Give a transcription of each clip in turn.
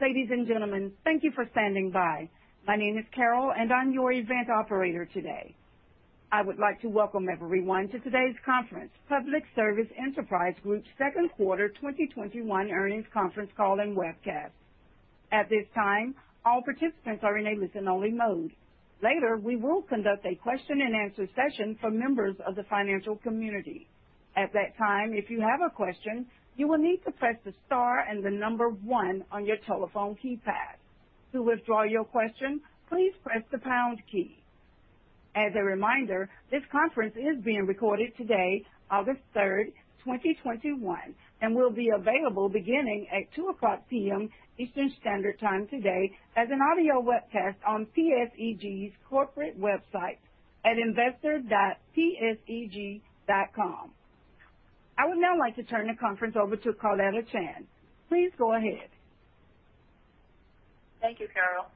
Ladies and gentlemen, thank you for standing by. My name is Carol, and I'm your event operator today. I would like to welcome everyone to today's conference, Public Service Enterprise Group Second Quarter 2021 Earnings Conference Call and Webcast. At this time, all participants are in a listen-only mode. Later, we will conduct a question-and-answer session for members of the financial community. At that time, if you have a question, you will need to press the star and the number one on your telephone keypad. To withdraw your question, please press the pound key. As a reminder, this conference is being recorded today, August 3rd, 2021, and will be available beginning at 2:00 P.M. Eastern Standard Time today as an audio webcast on PSEG's corporate website at investor.pseg.com. I would now like to turn the conference over to Carlotta Chan. Please go ahead. Thank you, Carol.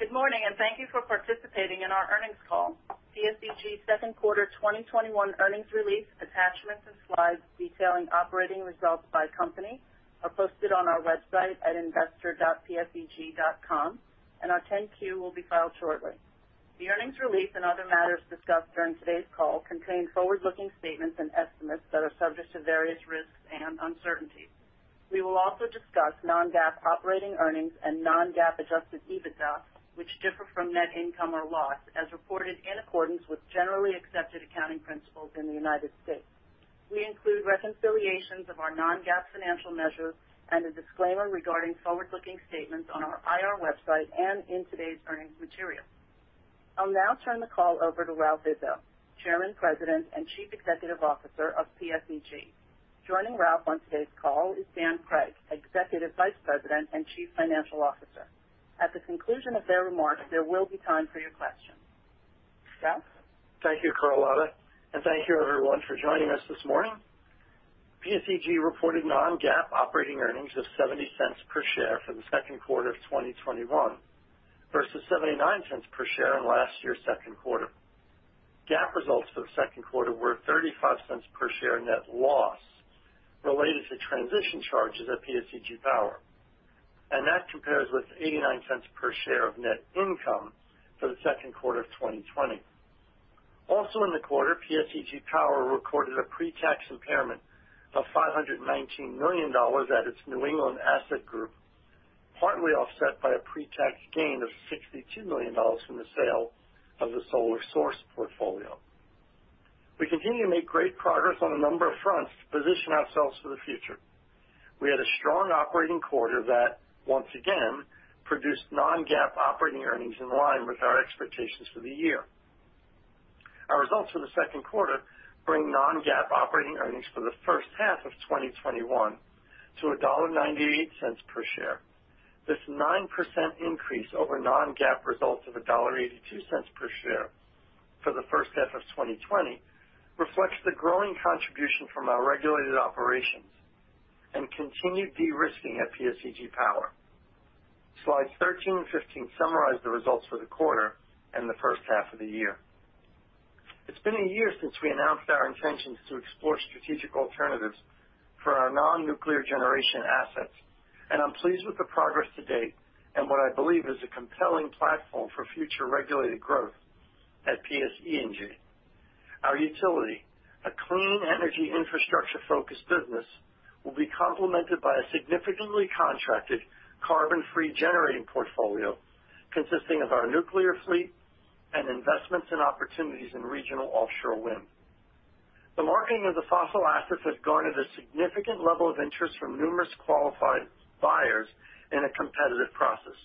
Good morning. Thank you for participating in our earnings call. PSEG's second quarter 2021 earnings release attachments and slides detailing operating results by company are posted on our website at investor.pseg.com. Our 10-Q will be filed shortly. The earnings release and other matters discussed during today's call contain forward-looking statements and estimates that are subject to various risks and uncertainties. We will also discuss non-GAAP operating earnings and non-GAAP adjusted EBITDA, which differ from net income or loss, as reported in accordance with generally accepted accounting principles in the United States. We include reconciliations of our non-GAAP financial measures and a disclaimer regarding forward-looking statements on our IR website and in today's earnings material. I'll now turn the call over to Ralph Izzo, Chairman, President, and Chief Executive Officer of PSEG. Joining Ralph on today's call is Dan Cregg, Executive Vice President and Chief Financial Officer. At the conclusion of their remarks, there will be time for your questions. Ralph? Thank you, Carlotta, and thank you everyone for joining us this morning. PSEG reported non-GAAP operating earnings of $0.70 per share for the second quarter of 2021 versus $0.79 per share in last year's second quarter. GAAP results for the second quarter were $0.35 per share net loss related to transition charges at PSEG Power, and that compares with $0.89 per share of net income for the second quarter of 2020. Also in the quarter, PSEG Power recorded a pre-tax impairment of $519 million at its New England asset group, partly offset by a pre-tax gain of $62 million from the sale of the Solar Source portfolio. We continue to make great progress on a number of fronts to position ourselves for the future. We had a strong operating quarter that once again produced non-GAAP operating earnings in line with our expectations for the year. Our results for the second quarter bring non-GAAP operating earnings for the first half of 2021 to $1.98 per share. This 9% increase over non-GAAP results of $1.82 per share for the first half of 2020 reflects the growing contribution from our regulated operations and continued de-risking at PSEG Power. Slides 13 and 15 summarize the results for the quarter and the first half of the year. It's been a year since we announced our intentions to explore strategic alternatives for our non-nuclear generation assets, and I'm pleased with the progress to date and what I believe is a compelling platform for future regulated growth at PSE&G. Our utility, a clean energy infrastructure-focused business, will be complemented by a significantly contracted carbon-free generating portfolio consisting of our nuclear fleet and investments in opportunities in regional offshore wind. The marketing of the fossil assets has garnered a significant level of interest from numerous qualified buyers in a competitive process,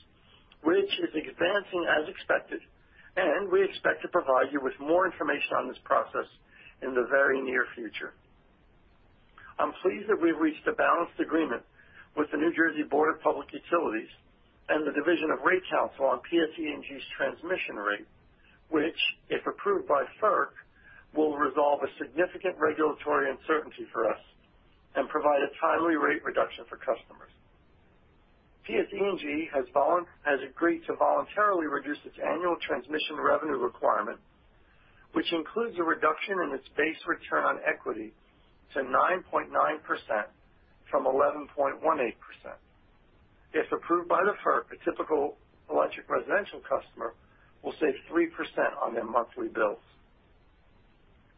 which is advancing as expected, and we expect to provide you with more information on this process in the very near future. I'm pleased that we've reached a balanced agreement with the New Jersey Board of Public Utilities and the Division of Rate Counsel on PSE&G's transmission rate, which, if approved by FERC, will resolve a significant regulatory uncertainty for us and provide a timely rate reduction for customers. PSE&G has agreed to voluntarily reduce its annual transmission revenue requirement, which includes a reduction in its base return on equity to 9.9% from 11.18%. If approved by the FERC, a typical electric residential customer will save 3% on their monthly bills.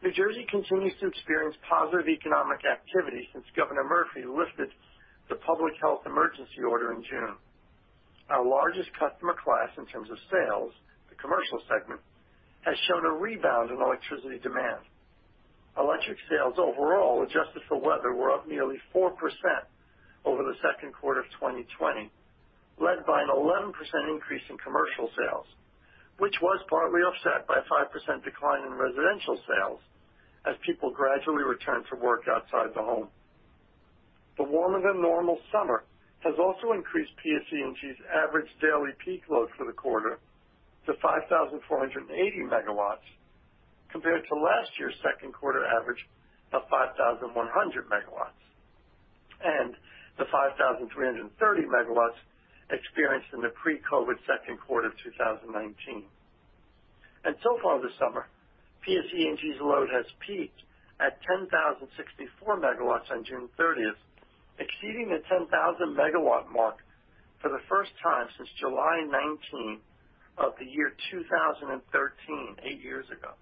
New Jersey continues to experience positive economic activity since Governor Murphy lifted the public health emergency order in June. Our largest customer class in terms of sales, the commercial segment, has shown a rebound in electricity demand. Electric sales overall, adjusted for weather, were up nearly 4% over the second quarter of 2020, led by an 11% increase in commercial sales, which was partly offset by a 5% decline in residential sales as people gradually return to work outside the home. The warmer-than-normal summer has also increased PSE&G's average daily peak load for the quarter to 5,480 MW compared to last year's second quarter average of 5,100 MW and the 5,330 MW experienced in the pre-COVID second quarter of 2019. So far this summer, PSE&G's load has peaked at 10,064 MW on June 30th, exceeding the 10,000 MW mark for the first time since July 19 of the year 2013, eight years ago.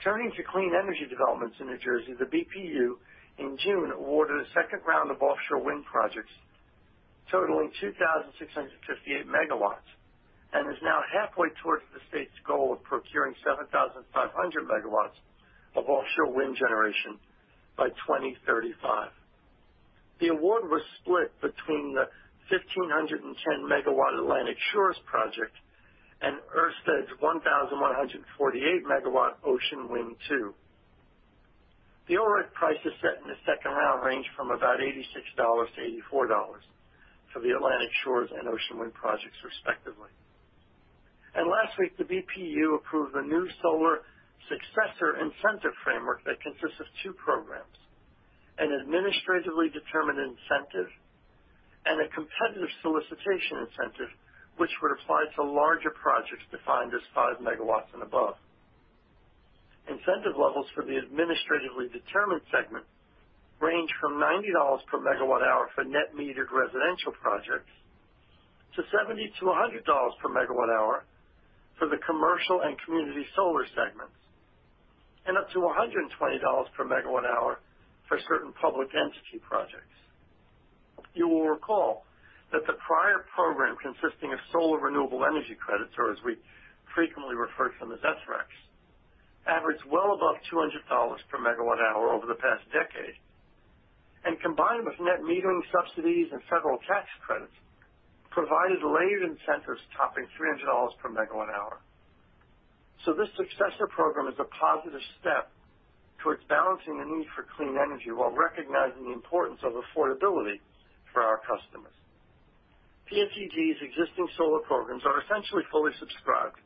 Turning to clean energy developments in New Jersey, the BPU in June awarded a second round of offshore wind projects totaling 2,658 MW, and is now halfway towards the state's goal of procuring 7,500 MW of offshore wind generation by 2035. The award was split between the 1,510 MW Atlantic Shores project and Ørsted's 1,148 MW Ocean Wind 2. The overall price is set in the second round range from about $86, $84 for the Atlantic Shores and Ocean Wind projects, respectively. Last week, the BPU approved a new Solar Successor Incentive Framework that consists of two programs: an Administratively Determined Incentive and a Competitive Solicitation Incentive, which would apply to larger projects defined as 5 MW and above. Incentive levels for the administratively determined segment range from $90 per MWh for net-metered residential projects to $70-$100 per MWh for the commercial and community solar segments, and up to $120 per MWh for certain public entity projects. You will recall that the prior program, consisting of Solar Renewable Energy Credits, or as we frequently refer to them as SRECs, averaged well above $200 per MWh over the past decade. Combined with net metering subsidies and federal tax credits, provided layered incentives topping $300 per MWh. This successor program is a positive step towards balancing the need for clean energy while recognizing the importance of affordability for our customers. PSEG's existing solar programs are essentially fully subscribed.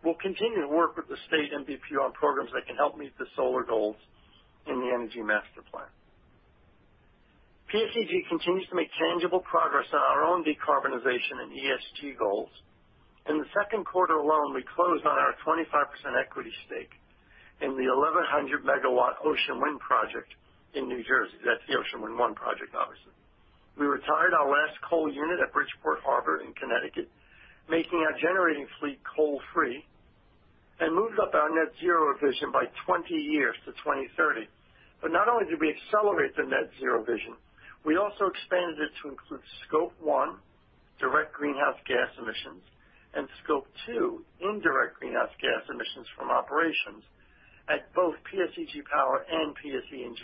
We'll continue to work with the state and BPU on programs that can help meet the solar goals in the Energy Master Plan. PSEG continues to make tangible progress on our own decarbonization and ESG goals. In the second quarter alone, we closed on our 25% equity stake in the 1,100 MW Ocean Wind project in New Jersey. That's the Ocean Wind 1 project, obviously. We retired our last coal unit at Bridgeport Harbor in Connecticut, making our generating fleet coal-free, and moved up our net zero vision by 20 years to 2030. Not only did we accelerate the net zero vision, we also expanded it to include Scope 1, direct greenhouse gas emissions, and Scope 2, indirect greenhouse gas emissions from operations at both PSEG Power and PSE&G.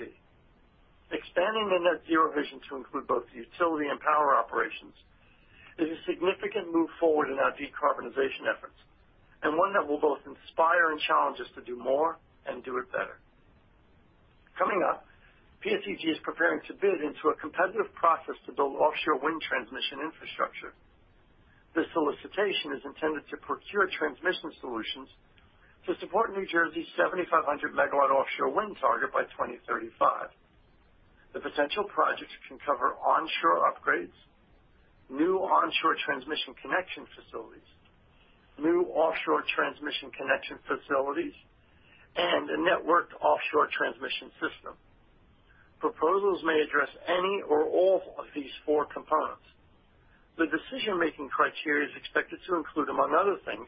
Expanding the net zero vision to include both the utility and power operations is a significant move forward in our decarbonization efforts, and one that will both inspire and challenge us to do more and do it better. Coming up, PSEG is preparing to bid into a competitive process to build offshore wind transmission infrastructure. This solicitation is intended to procure transmission solutions to support New Jersey's 7,500 MW offshore wind target by 2035. The potential projects can cover onshore upgrades, new onshore transmission connection facilities, new offshore transmission connection facilities, and a networked offshore transmission system. Proposals may address any or all of these four components. The decision-making criteria is expected to include, among other things,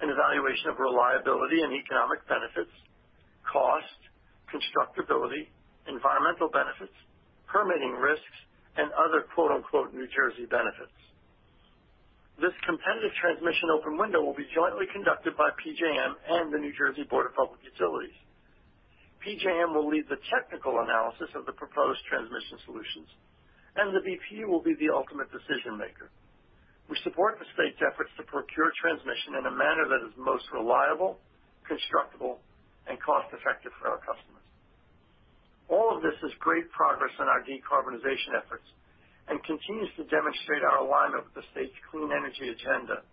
an evaluation of reliability and economic benefits, cost, constructability, environmental benefits, permitting risks, and other "New Jersey benefits." This competitive transmission open window will be jointly conducted by PJM and the New Jersey Board of Public Utilities. PJM will lead the technical analysis of the proposed transmission solutions, and the BPU will be the ultimate decision-maker. We support the state's efforts to procure transmission in a manner that is most reliable, constructable, and cost-effective for our customers. All of this is great progress in our decarbonization efforts and continues to demonstrate our alignment with the state's clean energy agenda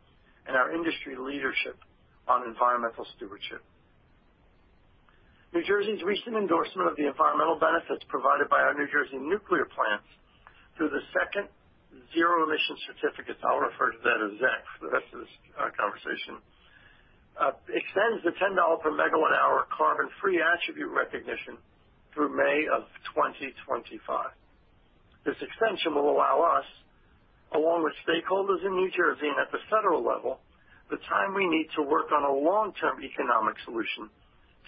and our industry leadership on environmental stewardship. New Jersey's recent endorsement of the environmental benefits provided by our New Jersey nuclear plants through the second Zero Emission Certificates, I'll refer to that as ZEC for the rest of this conversation, extends the $10 per MWh carbon-free attribute recognition through May of 2025. This extension will allow us, along with stakeholders in New Jersey and at the federal level, the time we need to work on a long-term economic solution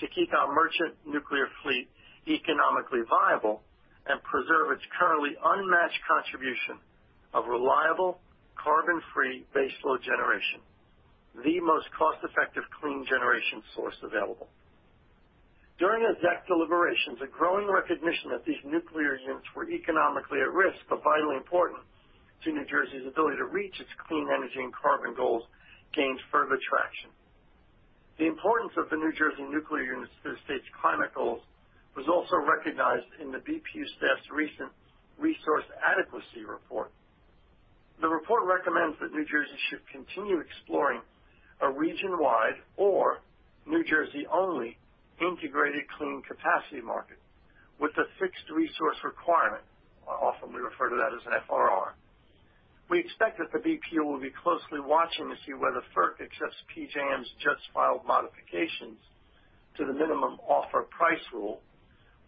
to keep our merchant nuclear fleet economically viable and preserve its currently unmatched contribution of reliable, carbon-free baseload generation, the most cost-effective clean generation source available. During the ZEC deliberations, a growing recognition that these nuclear units were economically at risk but vitally important to New Jersey's ability to reach its clean energy and carbon goals gained further traction. The importance of the New Jersey nuclear units to the state's climate goals was also recognized in the BPU staff's recent Resource Adequacy report. The report recommends that New Jersey should continue exploring a region-wide or New Jersey-only integrated clean capacity market with a Fixed Resource Requirement. Often, we refer to that as an FRR. We expect that the BPU will be closely watching to see whether FERC accepts PJM's just filed modifications to the Minimum Offer Price Rule,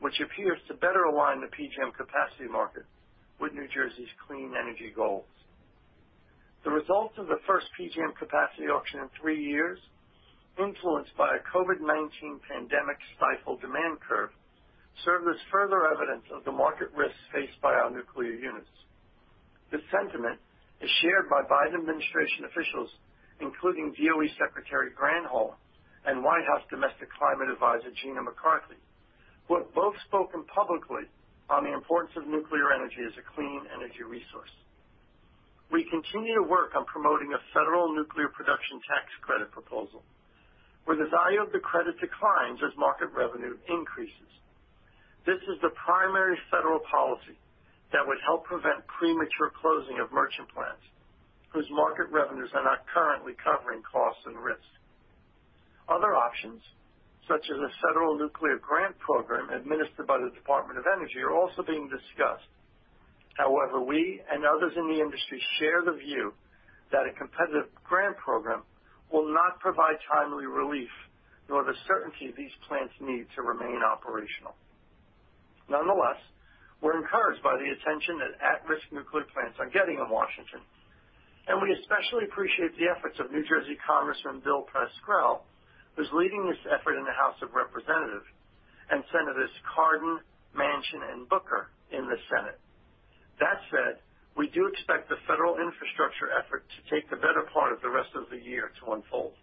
which appears to better align the PJM capacity market with New Jersey's clean energy goals. The results of the first PJM capacity auction in three years, influenced by a COVID-19 pandemic-stifled demand curve, serve as further evidence of the market risks faced by our nuclear units. This sentiment is shared by Biden administration officials, including DOE Secretary Granholm, and White House Domestic Climate Advisor, Gina McCarthy, who have both spoken publicly on the importance of nuclear energy as a clean energy resource. We continue to work on promoting a federal nuclear production tax credit proposal, where the value of the credit declines as market revenue increases. This is the primary federal policy that would help prevent premature closing of merchant plants, whose market revenues are not currently covering costs and risks. Other options, such as a federal nuclear grant program administered by the Department of Energy, are also being discussed. However, we and others in the industry share the view that a competitive grant program will not provide timely relief, nor the certainty these plants need to remain operational. Nonetheless, we're encouraged by the attention that at-risk nuclear plants are getting in Washington. We especially appreciate the efforts of New Jersey Congressman Bill Pascrell, who's leading this effort in the House of Representatives, and Senators Cardin, Manchin, and Booker in the Senate. That said, we do expect the federal infrastructure effort to take the better part of the rest of the year to unfold.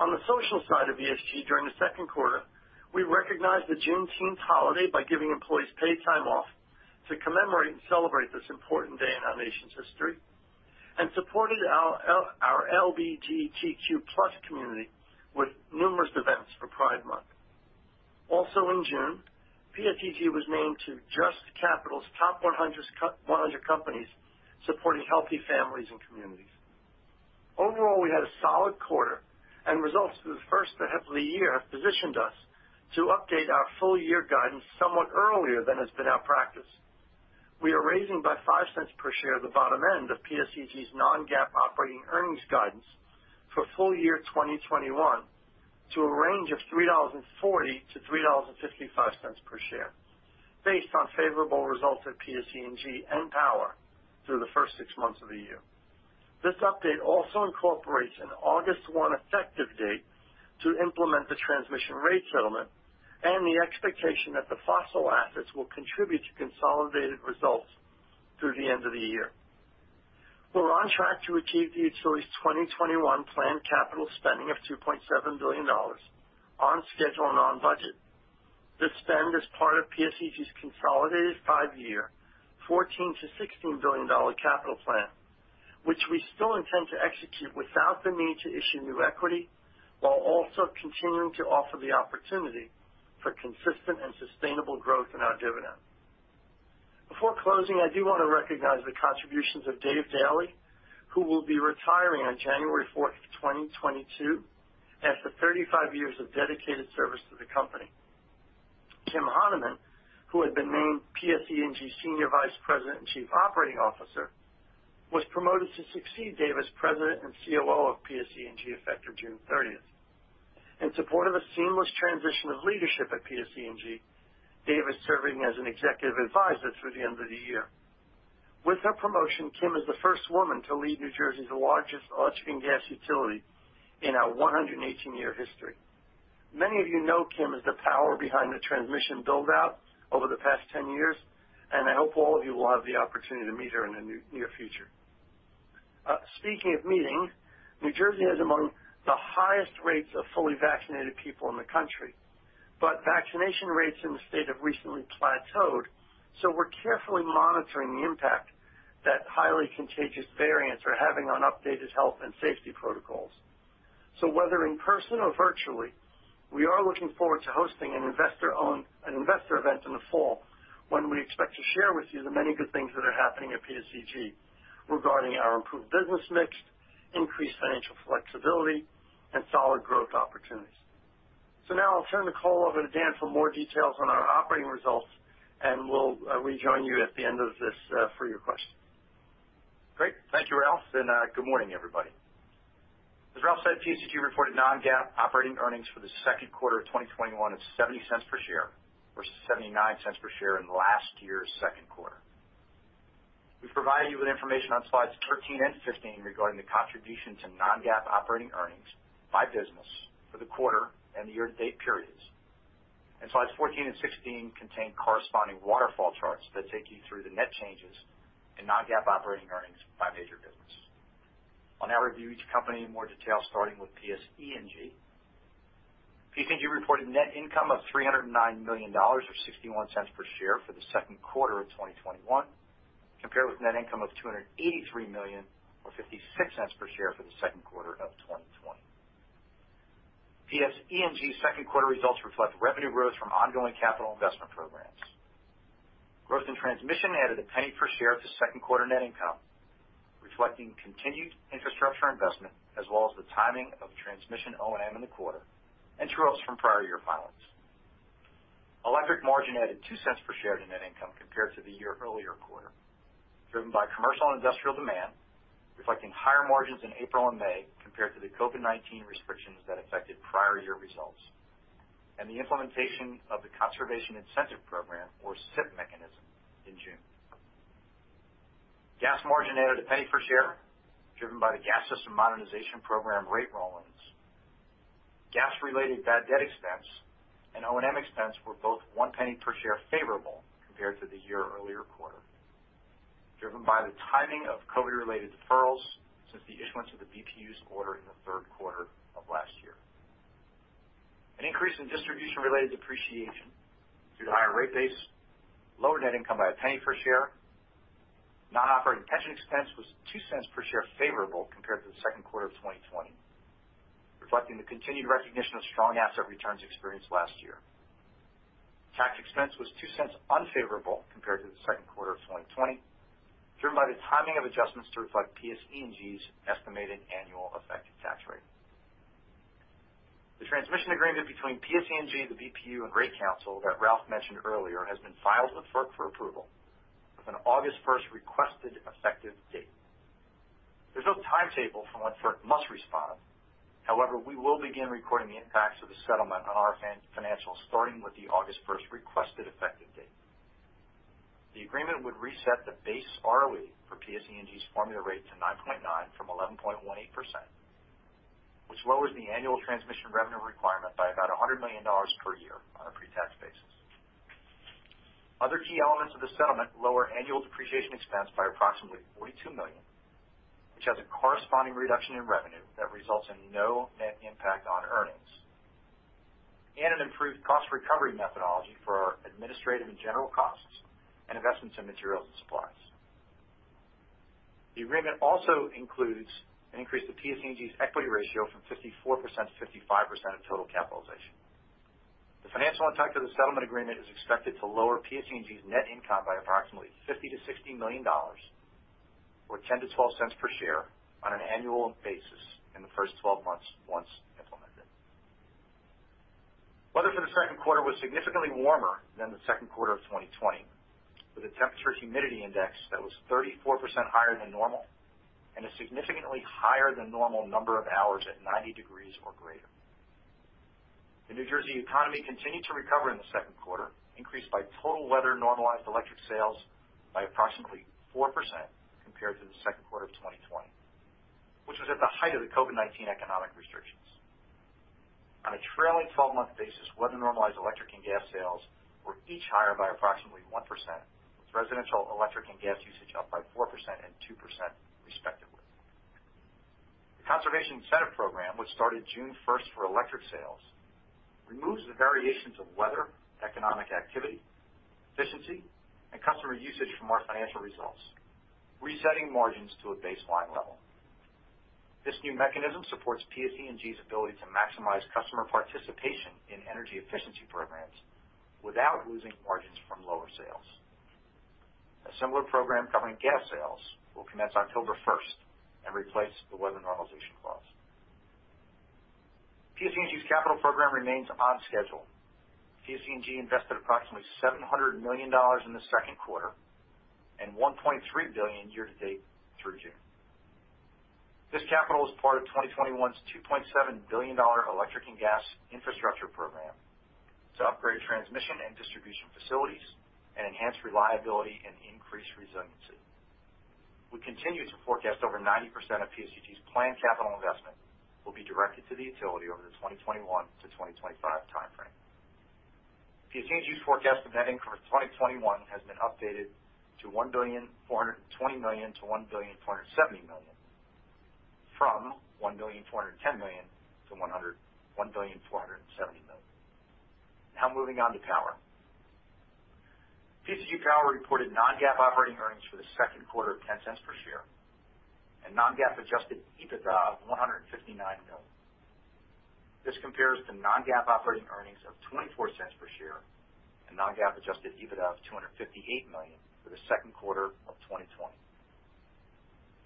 On the social side of ESG during the second quarter, we recognized the Juneteenth holiday by giving employees paid time off to commemorate and celebrate this important day in our nation's history, and supported our LGBTQ+ community with numerous events for Pride Month. Also in June, PSEG was named to JUST Capital's top 100 companies supporting healthy families and communities. Overall, we had a solid quarter, and results through the first half of the year have positioned us to update our full-year guidance somewhat earlier than has been our practice. We are raising by $0.05 per share the bottom end of PSEG's non-GAAP operating earnings guidance for full year 2021 to a range of $3.40-$3.55 per share based on favorable results at PSE&G and Power through the first six months of the year. This update also incorporates an August 1 effective date to implement the transmission rate settlement and the expectation that the fossil assets will contribute to consolidated results through the end of the year. We're on track to achieve the utility's 2021 planned capital spending of $2.7 billion on schedule and on budget. This spend is part of PSEG's consolidated five-year $14 billion-$16 billion capital plan, which we still intend to execute without the need to issue new equity, while also continuing to offer the opportunity for consistent and sustainable growth in our dividend. Before closing, I do want to recognize the contributions of Dave Daly, who will be retiring on January 4th, 2022 after 35 years of dedicated service to the company. Kim Hanemann, who had been named PSE&G Senior Vice President and Chief Operating Officer, was promoted to succeed Dave as President and COO of PSE&G effective June 30th. In support of a seamless transition of leadership at PSE&G, Dave is serving as an executive advisor through the end of the year. With her promotion, Kim is the first woman to lead New Jersey's largest electric and gas utility in our 118-year history. Many of you know Kim as the power behind the transmission build-out over the past 10 years, and I hope all of you will have the opportunity to meet her in the near future. Speaking of meeting, New Jersey is among the highest rates of fully vaccinated people in the country. Vaccination rates in the state have recently plateaued, we're carefully monitoring the impact that highly contagious variants are having on updated health and safety protocols. Whether in person or virtually, we are looking forward to hosting an investor event in the fall, when we expect to share with you the many good things that are happening at PSEG regarding our improved business mix, increased financial flexibility, and solid growth opportunities. Now I'll turn the call over to Dan for more details on our operating results, and we'll rejoin you at the end of this for your questions. Great. Thank you, Ralph, good morning, everybody. As Ralph said, PSEG reported non-GAAP operating earnings for the second quarter of 2021 at $0.70 per share versus $0.79 per share in last year's second quarter. We've provided you with information on slides 13 and 15 regarding the contributions in non-GAAP operating earnings by business for the quarter and the year-to-date periods. Slides 14 and 16 contain corresponding waterfall charts that take you through the net changes in non-GAAP operating earnings by major business. I'll now review each company in more detail, starting with PSE&G. PSE&G reported net income of $309 million, or $0.61 per share for the second quarter of 2021, compared with net income of $283 million or $0.56 per share for the second quarter of 2020. PSE&G's second quarter results reflect revenue growth from ongoing capital investment programs. Growth in transmission added per share to second quarter net income, reflecting continued infrastructure investment as well as the timing of transmission O&M in the quarter and true-ups from prior year filings. Electric margin added $0.02 per share to net income compared to the year-earlier quarter, driven by commercial and industrial demand, reflecting higher margins in April and May compared to the COVID-19 restrictions that affected prior year results, and the implementation of the Conservation Incentive Program, or CIP mechanism, in June. Gas margin added $0.01 per share, driven by the Gas System Modernization Program rate roll-ins. Gas-related bad debt expense and O&M expense were both $0.01 per share favorable compared to the year-earlier quarter, driven by the timing of COVID-related deferrals since the issuance of the BPU's order in the third quarter of last year. An increase in distribution-related depreciation due to higher rate base lowered net income by $0.01 per share. Non-operating pension expense was $0.02 per share favorable compared to the second quarter of 2020, reflecting the continued recognition of strong asset returns experienced last year. Tax expense was $0.02 unfavorable compared to the second quarter of 2020, driven by the timing of adjustments to reflect PSE&G's estimated annual effective tax rate. The transmission agreement between PSE&G, the BPU, and Rate Council that Ralph mentioned earlier has been filed with FERC for approval with an August first requested effective date. There's no timetable for when FERC must respond. However, we will begin recording the impacts of the settlement on our financials starting with the August 1st requested effective date. The agreement would reset the base ROE for PSE&G's formula rate to 9.9% from 11.18%, which lowers the annual transmission revenue requirement by about $100 million per year on a pre-tax basis. Other key elements of the settlement lower annual depreciation expense by approximately $42 million, which has a corresponding reduction in revenue that results in no net impact on earnings, and an improved cost recovery methodology for our administrative and general costs in investments in materials and supplies. The agreement also includes an increase to PSE&G's equity ratio from 54% to 55% of total capitalization. The financial impact of the settlement agreement is expected to lower PSE&G's net income by approximately $50 million-$60 million, or $0.10-$0.12 per share on an annual basis in the first 12 months once implemented. Weather for the second quarter was significantly warmer than the second quarter of 2020, with a temperature humidity index that was 34% higher than normal and a significantly higher than normal number of hours at 90 degrees or greater. The New Jersey economy continued to recover in the second quarter, increased by total weather-normalized electric sales by approximately 4% compared to the second quarter of 2020, which was at the height of the COVID-19 economic restrictions. On a trailing 12-month basis, weather-normalized electric and gas sales were each higher by approximately 1%, with residential electric and gas usage up by 4% and 2% respectively. The Conservation Incentive Program, which started June 1st for electric sales, removes the variations of weather, economic activity, efficiency, and customer usage from our financial results, resetting margins to a baseline level. This new mechanism supports PSE&G's ability to maximize customer participation in energy efficiency programs without losing margins from lower sales. A similar program covering gas sales will commence October 1st and replace the weather normalization clause. PSE&G's capital program remains on schedule. PSE&G invested approximately $700 million in the second quarter and $1.3 billion year to date through June. This capital is part of 2021's $2.7 billion electric and gas infrastructure program to upgrade transmission and distribution facilities and enhance reliability and increase resiliency. We continue to forecast over 90% of PSEG's planned capital investment will be directed to the utility over the 2021-2025 timeframe. PSEG's forecast of net income for 2021 has been updated to $1.420 billion-$1.470 billion from $1.410 billion-$1.470 billion. Moving on to Power. PSEG Power reported non-GAAP operating earnings for the second quarter of $0.10 per share and non-GAAP adjusted EBITDA of $159 million. This compares to non-GAAP operating earnings of $0.24 per share and non-GAAP adjusted EBITDA of $258 million for the second quarter of 2020.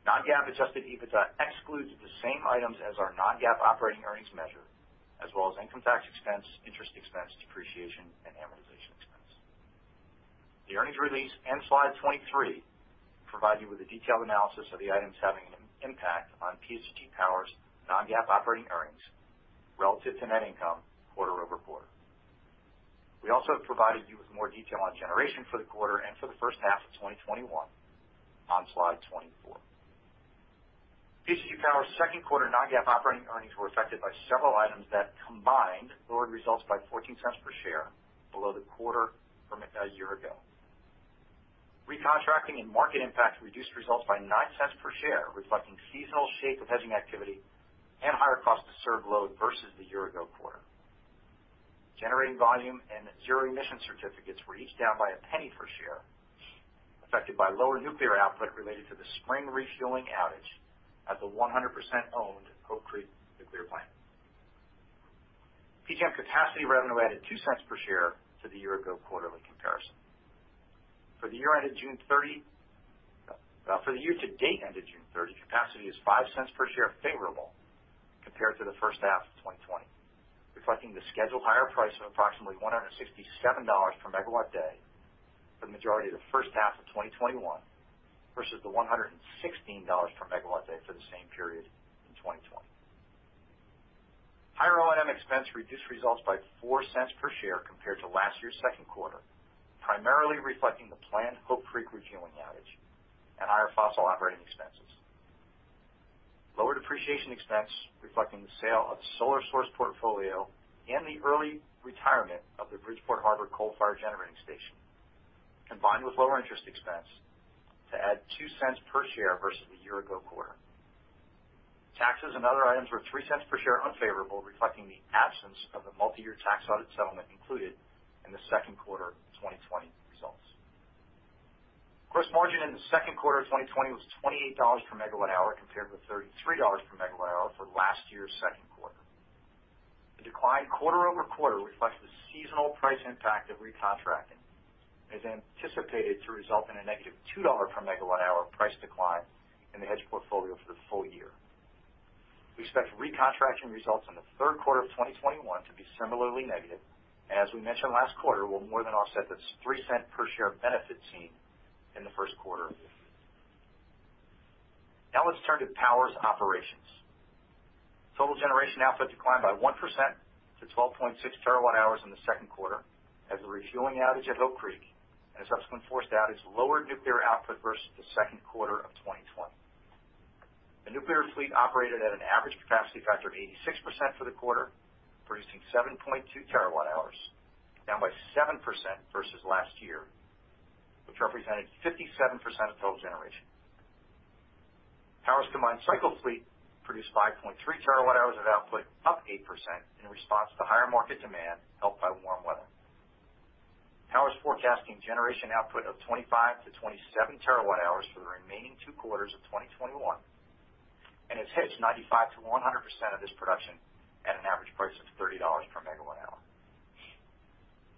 Non-GAAP adjusted EBITDA excludes the same items as our non-GAAP operating earnings measure, as well as income tax expense, interest expense, depreciation, and amortization expense. The earnings release and slide 23 provide you with a detailed analysis of the items having an impact on PSEG Power's non-GAAP operating earnings relative to net income quarter-over-quarter. We also have provided you with more detail on generation for the quarter and for the first half of 2021 on slide 24. PSEG Power's second quarter non-GAAP operating earnings were affected by several items that combined lowered results by $0.14 per share below the quarter from a year ago. Recontracting and market impacts reduced results by $0.09 per share, reflecting seasonal shape of hedging activity and higher cost to serve load versus the year-ago quarter. Generating volume and Zero Emission Certificates were each down by $0.01 per share, affected by lower nuclear output related to the spring refueling outage at the 100% owned Hope Creek Nuclear plant. PJM capacity revenue added $0.02 per share to the year-ago quarterly comparison. For the year to date ended June 30th, capacity is $0.05 per share favorable compared to the first half of 2020, reflecting the scheduled higher price of approximately $167 per MWd for the majority of the first half of 2021 versus the $116 per MWd for the same period in 2020. Higher O&M expense reduced results by $0.04 per share compared to last year's second quarter, primarily reflecting the planned Hope Creek refueling outage and higher fossil operating expenses. Lower depreciation expense reflecting the sale of Solar Source portfolio and the early retirement of the Bridgeport Harbor Coal-Fired Generating Station, combined with lower interest expense to add $0.02 per share versus the year-ago quarter. Taxes and other items were $0.03 per share unfavorable, reflecting the absence of the multi-year tax audit settlement included in the second quarter of 2020 results. Gross margin in the second quarter of 2020 was $28 per MWh, compared with $33 per MWh for last year's second quarter. The decline quarter-over-quarter reflects the seasonal price impact of recontracting, is anticipated to result in a -$2 per MWh price decline in the hedge portfolio for the full year. We expect recontracting results in the third quarter of 2021 to be similarly negative. As we mentioned last quarter, we'll more than offset this $0.03 per share benefit seen in the first quarter. Let's turn to Power's operations. Total generation output declined by 1% to 12.6 TWh in the second quarter as the refueling outage at Hope Creek and a subsequent forced outage lowered nuclear output versus the second quarter of 2020. The nuclear fleet operated at an average capacity factor of 86% for the quarter, producing 7.2 TWh, down by 7% versus last year, which represented 57% of total generation. Power's combined cycle fleet produced 5.3 TWh of output, up 8% in response to higher market demand helped by warm weather. Power is forecasting generation output of 25 TWh-27 TWh for the remaining two quarters of 2021, and it hedged 95%-100% of this production at an average price of $30 per MWh.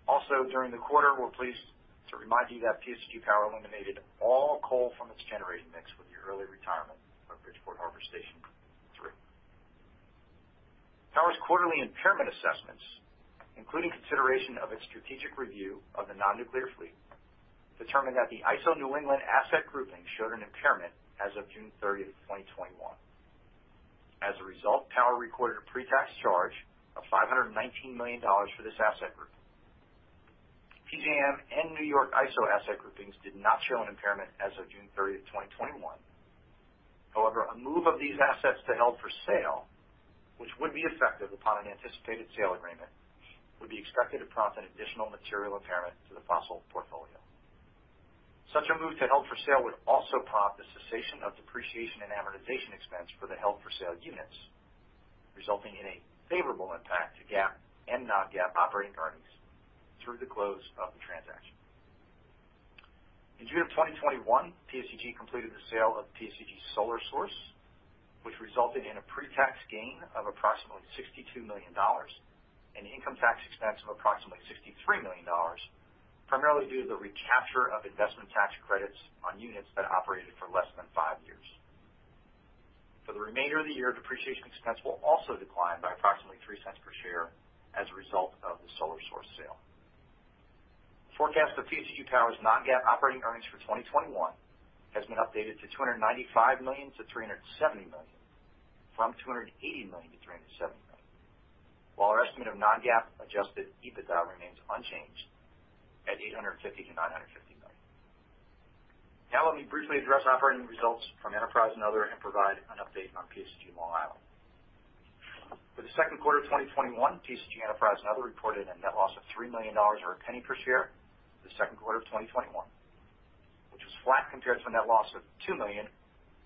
Also, during the quarter, we're pleased to remind you that PSEG Power eliminated all coal from its generation mix with the early retirement of Bridgeport Harbor Station 3. Power's quarterly impairment assessments, including consideration of its strategic review of the non-nuclear fleet, determined that the ISO New England asset grouping showed an impairment as of June 30th, 2021. As a result, Power recorded a pre-tax charge of $519 million for this asset group. PJM and New York ISO asset groupings did not show an impairment as of June 30th, 2021. However, a move of these assets to held for sale, which would be effective upon an anticipated sale agreement, would be expected to prompt an additional material impairment to the fossil portfolio. Such a move to held for sale would also prompt the cessation of depreciation and amortization expense for the held for sale units, resulting in a favorable impact to GAAP and non-GAAP operating earnings through the close of the transaction. In June of 2021, PSEG completed the sale of PSEG Solar Source, which resulted in a pre-tax gain of approximately $62 million and income tax expense of approximately $63 million, primarily due to the recapture of investment tax credits on units that operated for less than five years. For the remainder of the year, depreciation expense will also decline by approximately $0.03 per share as a result of the Solar Source sale. Forecast for PSEG Power's non-GAAP operating earnings for 2021 has been updated to $295 million-$370 million, from $280 million-$370 million. While our estimate of non-GAAP adjusted EBITDA remains unchanged at $850 million-$950 million. Let me briefly address operating results from Enterprise and Other and provide an update on PSEG Long Island. For the second quarter of 2021, PSEG Enterprise and Other reported a net loss of $3 million, or a $0.01 per share, for the second quarter of 2021, which was flat compared to a net loss of $2 million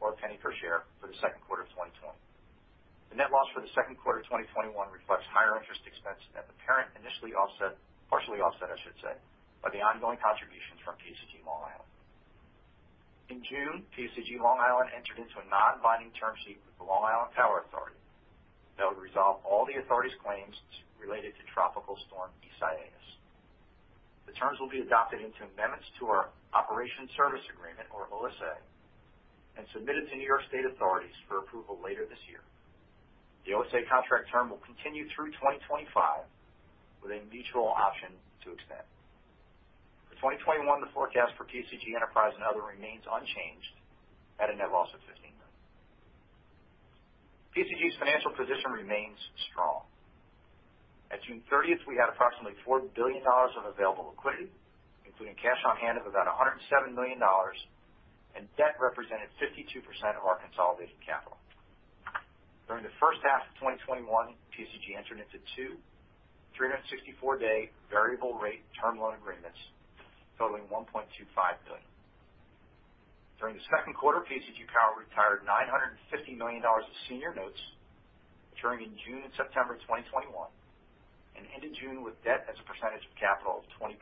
or $0.01 per share for the second quarter of 2020. The net loss for the second quarter of 2021 reflects higher interest expense at the parent initially offset, partially offset I should say, by the ongoing contributions from PSEG Long Island. In June, PSEG Long Island entered into a non-binding term sheet with the Long Island Power Authority that would resolve all the authority's claims related to Tropical Storm Isaias. The terms will be adopted into amendments to our Operation Service Agreement or OSA, and submitted to New York State authorities for approval later this year. The OSA contract term will continue through 2025 with a mutual option to extend. For 2021, the forecast for PSEG Enterprise and Other remains unchanged at a net loss of $15 million. PSEG's financial position remains strong. At June 30th, we had approximately $4 billion of available liquidity, including cash on hand of about $107 million, and debt represented 52% of our consolidated capital. During the first half of 2021, PSEG entered into two 364-day variable rate term loan agreements totaling $1.25 billion. During the second quarter, PSEG Power retired $950 million of senior notes maturing in June and September 2021 and ended June with debt as a percentage of capital of 20%.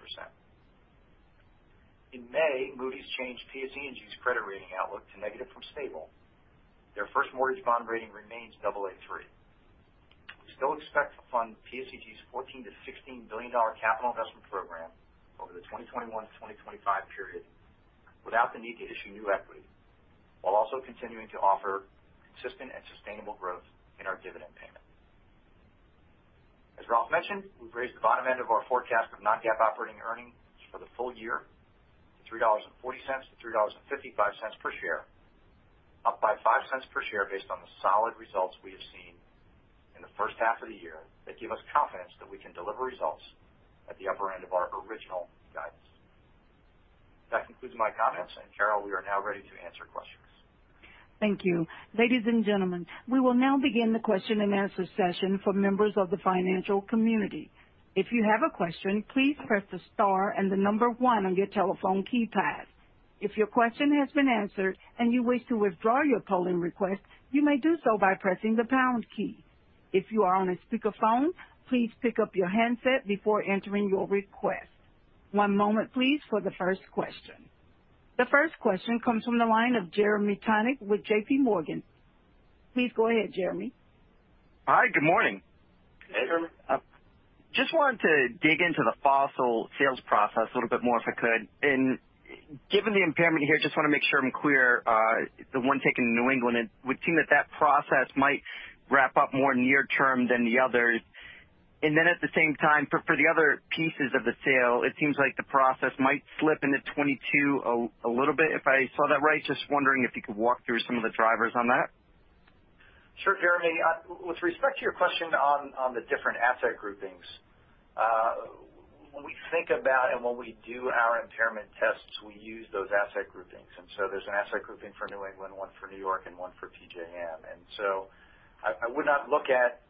In May, Moody's changed PSE&G's credit rating outlook to negative from stable. Their first mortgage bond rating remains Aa3. We still expect to fund PSEG's $14 billion-$16 billion capital investment program over the 2021 to 2025 period without the need to issue new equity, while also continuing to offer consistent and sustainable growth in our dividend payment. As Ralph mentioned, we've raised the bottom end of our forecast of non-GAAP operating earnings for the full year to $3.40-$3.55 per share, up by $0.05 per share based on the solid results we have seen in the first half of the year that give us confidence that we can deliver results at the upper end of our original guidance. That concludes my comments. Carol, we are now ready to answer questions. Thank you. Ladies and gentlemen, we will now begin the question and answer session for members of the financial community. If you have a question, please press the star and the number one on your telephone keypad. If your question has been answered and you wish to withdraw your polling request, you may do so by pressing the pound key. If you are on a speakerphone, please pick up your handset before entering your request. One moment please for the first question. The first question comes from the line of Jeremy Tonet with JPMorgan. Please go ahead, Jeremy. Hi, good morning. Hey, Jeremy. Just wanted to dig into the fossil sales process a little bit more, if I could. Given the impairment here, just want to make sure I'm clear, the one taken in New England, it would seem that that process might wrap up more near-term than the others. At the same time, for the other pieces of the sale, it seems like the process might slip into 2022 a little bit, if I saw that right. Just wondering if you could walk through some of the drivers on that. Sure, Jeremy. With respect to your question on the different asset groupings, when we think about and when we do our impairment tests, we use those asset groupings. There's an asset grouping for New England, one for New York, and one for PJM. I would not look at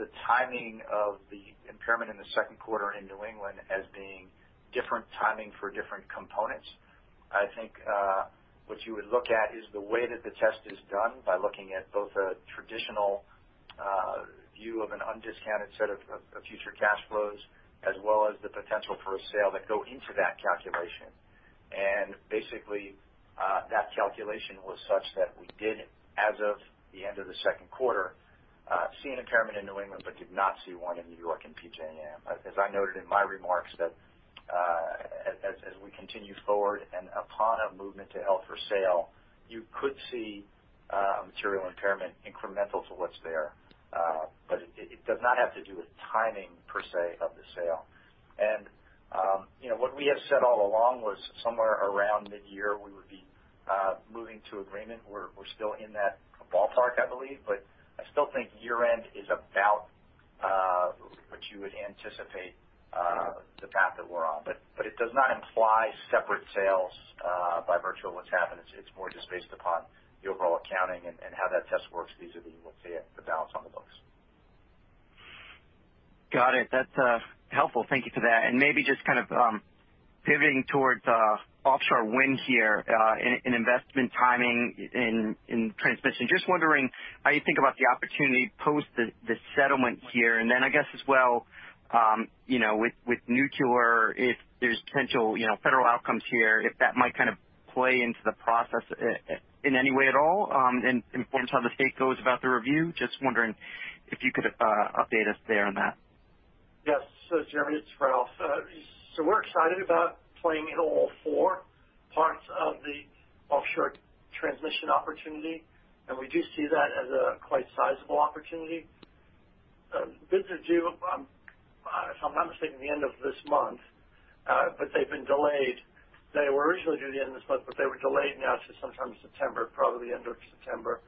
the timing of the impairment in the second quarter in New England as being different timing for different components. I think what you would look at is the way that the test is done by looking at both a traditional view of an undiscounted set of future cash flows, as well as the potential for a sale that go into that calculation. Basically, that calculation was such that we did, as of the end of the second quarter, see an impairment in New England but did not see one in New York and PJM. As I noted in my remarks, that as we continue forward and upon a movement to held-for-sale, you could see a material impairment incremental to what's there. It does not have to do with timing per se of the sale. What we have said all along was somewhere around mid-year we would be moving to agreement. We're still in that ballpark, I believe, but I still think year-end is about what you would anticipate the path that we're on. It does not imply separate sales by virtue of what's happened. It's more just based upon the overall accounting and how that test works vis-à-vis the balance on the books. Got it. That's helpful. Thank you for that. Maybe just kind of pivoting towards offshore wind here, in investment timing in transmission. Just wondering how you think about the opportunity post the settlement here. I guess as well with nuclear, if there's potential federal outcomes here, if that might kind of play into the process in any way at all and influence how the state goes about the review. Just wondering if you could update us there on that. Yes. Jeremy, it's Ralph. We're excited about playing in all four parts of the offshore transmission opportunity, and we do see that as a quite sizable opportunity. Bids are due, if I'm not mistaken, at the end of this month. They've been delayed. They were originally due the end of this month, but they were delayed now to sometime September, probably the end of September.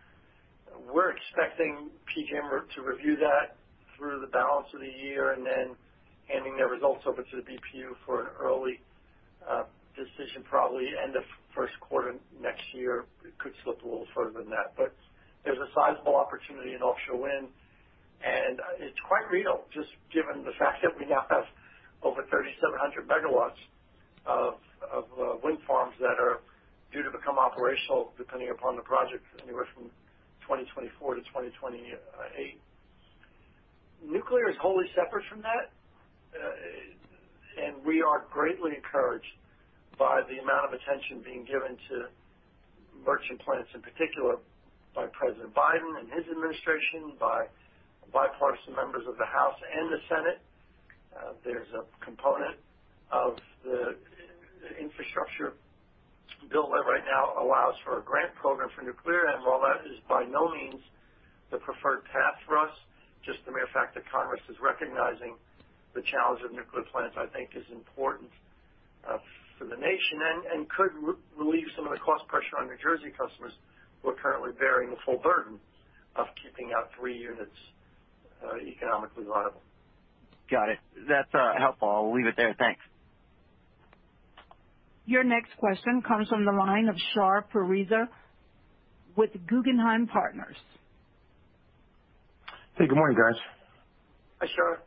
We're expecting PJM to review that through the balance of the year and then handing their results over to the BPU for an early decision, probably end of first quarter next year. It could slip a little further than that. There's a sizable opportunity in offshore wind, and it's quite real just given the fact that we now have over 3,700 MW of wind farms that are due to become operational depending upon the project anywhere from 2024 to 2028. Nuclear is wholly separate from that. We are greatly encouraged by the amount of attention being given to merchant plants, in particular by President Biden and his administration, by bipartisan members of the House and the Senate. There's a component of the infrastructure bill that right now allows for a grant program for nuclear. While that is by no means the preferred path for us, just the mere fact that Congress is recognizing the challenge of nuclear plants, I think is important for the nation and could relieve some of the cost pressure on New Jersey customers who are currently bearing the full burden of keeping our three units economically viable. Got it. That's helpful. I'll leave it there. Thanks. Your next question comes from the line of Shar Pourreza with Guggenheim Partners. Hey, good morning, guys. Hi, Shar.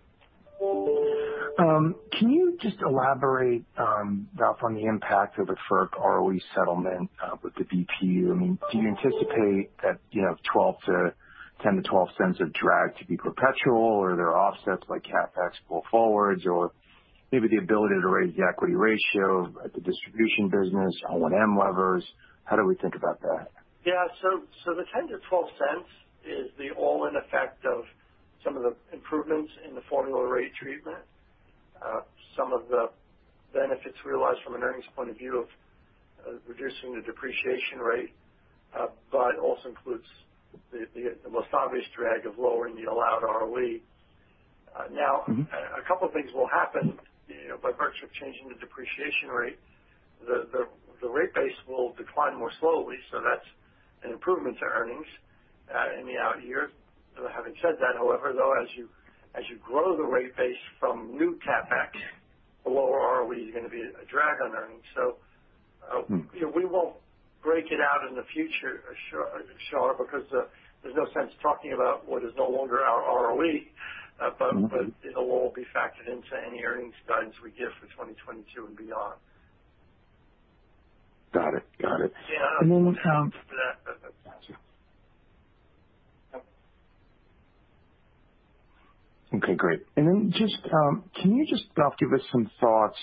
Can you just elaborate, Ralph, on the impact of the FERC ROE settlement with the BPU? I mean, do you anticipate that $0.10-$0.12 of drag to be perpetual or there are offsets like CapEx going forwards or maybe the ability to raise the equity ratio at the distribution business, O&M levers? How do we think about that? Yeah. The $0.10-$0.12 is the all-in effect of some of the improvements in the formula rate treatment. Some of the benefits realized from an earnings point of view of reducing the depreciation rate, but also includes the most obvious drag of lowering the allowed ROE. A couple of things will happen by virtue of changing the depreciation rate. The rate base will decline more slowly, so that's an improvement to earnings in the out years. Having said that, however, though, as you grow the rate base from new CapEx, the lower ROE is going to be a drag on earnings. We won't break it out in the future, Shar, because there's no sense talking about what is no longer our ROE. It'll all be factored into any earnings guidance we give for 2022 and beyond. Got it. Yeah. Can you just give us some thoughts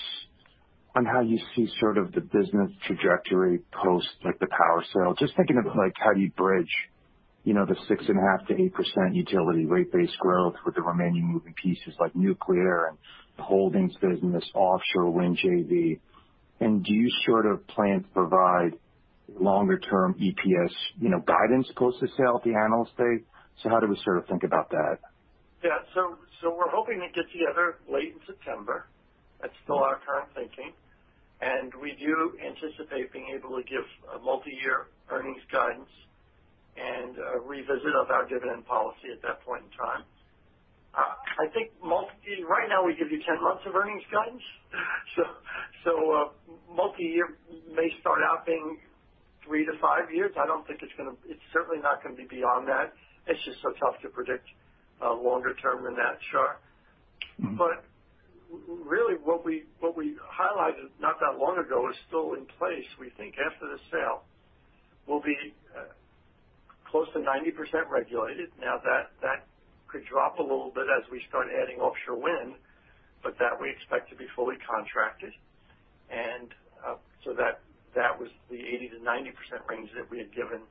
on how you see sort of the business trajectory post the power sale? Just thinking of how you bridge the 6.5%-8% utility rate base growth with the remaining moving pieces like nuclear and the holdings business, offshore wind JV. Do you plan to provide longer-term EPS guidance post the sale at the analyst day? How do we think about that? Yeah. We're hoping to get together late in September. That's still our current thinking, and we do anticipate being able to give a multi-year earnings guidance and a revisit of our dividend policy at that point in time. I think right now we give you 10 months of earnings guidance, so multi-year may start out being three to five years. It's certainly not going to be beyond that. It's just so tough to predict longer term than that, Shar. Really what we highlighted not that long ago is still in place. We think after the sale, we'll be close to 90% regulated. That could drop a little bit as we start adding offshore wind, but that we expect to be fully contracted. That was the 80%-90% range that we had given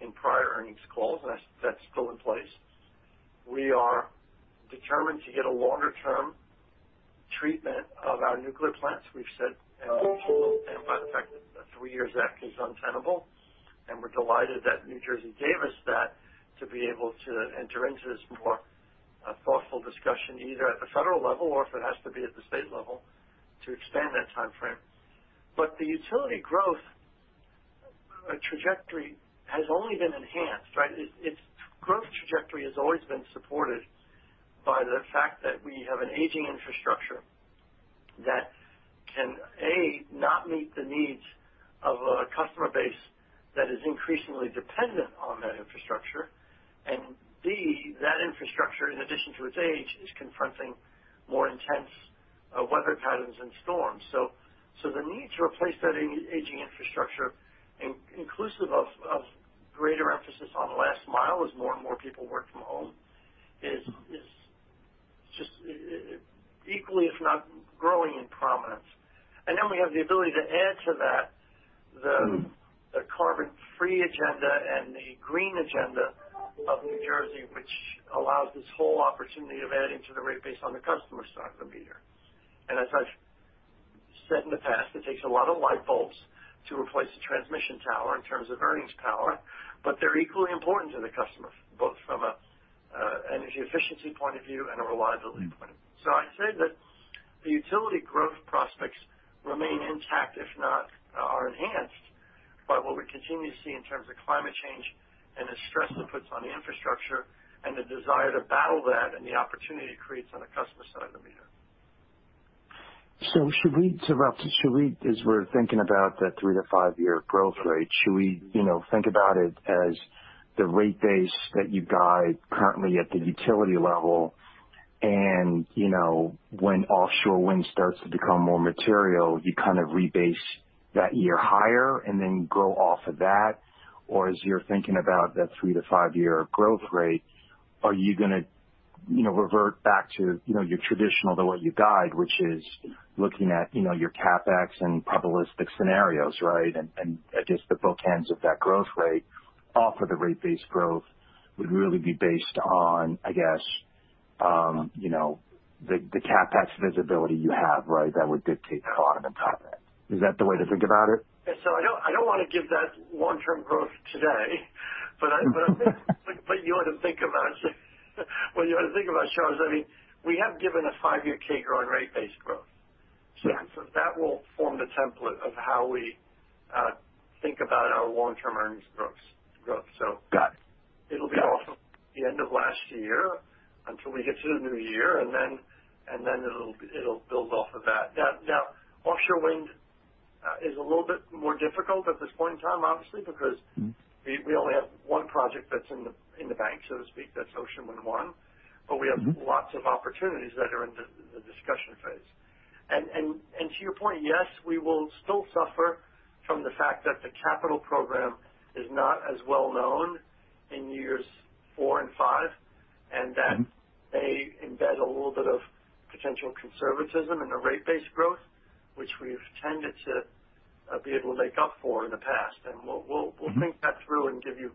in prior earnings calls, and that's still in place. We are determined to get a longer-term treatment of our nuclear plants. We've said the three years ZEC is untenable, and we're delighted that New Jersey gave us that to be able to enter into this more thoughtful discussion, either at the federal level or if it has to be at the state level, to extend that timeframe. The utility growth trajectory has only been enhanced, right? Its growth trajectory has always been supported by the fact that we have an aging infrastructure that can, A, not meet the needs of a customer base that is increasingly dependent on that infrastructure. And B, that infrastructure, in addition to its age, is confronting more intense weather patterns and storms. The need to replace that aging infrastructure, inclusive of greater emphasis on the last mile as more and more people work from home, is just equally, if not growing in prominence. Then we have the ability to add to that the carbon-free agenda and the green agenda of New Jersey, which allows this whole opportunity of adding to the rate base on the customer side of the meter. As I've said in the past, it takes a lot of light bulbs to replace a transmission tower in terms of earnings power, but they're equally important to the customer, both from an energy efficiency point of view and a reliability point of view. I'd say that the utility growth prospects remain intact, if not are enhanced by what we continue to see in terms of climate change and the stress it puts on the infrastructure and the desire to battle that and the opportunity it creates on the customer side of the meter. Should we, as we're thinking about that three to five-year growth rate, should we think about it as the rate base that you guide currently at the utility level, and when offshore wind starts to become more material, you kind of rebase that year higher and then grow off of that? Or as you're thinking about that three to five-year growth rate, are you going to revert back to your traditional, the way you guide, which is looking at your CapEx and probabilistic scenarios, right? I guess the both ends of that growth rate off of the rate base growth would really be based on, I guess, the CapEx visibility you have, right? That would dictate the on and the top end. Is that the way to think about it? I don't want to give that long-term growth today. You ought to think about, Shar, I mean, we have given a five-year CAGR in rate base growth. Yeah. That will form the template of how we think about our long-term earnings growth. Got it. It'll be off of the end of last year until we get to the new year, and then it'll build off of that. Offshore wind is a little bit more difficult at this point in time, obviously, because we only have one project that's in the bank, so to speak. That's Ocean Wind 1. We have lots of opportunities that are in the discussion phase. To your point, yes, we will still suffer from the fact that the capital program is not as well known in years four and five. That may embed a little bit of potential conservatism in the rate base growth, which we've tended to be able to make up for in the past. We'll think that through and give you